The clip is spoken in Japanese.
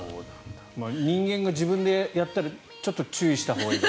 人間が自分でやったらちょっと注意したほうがいい。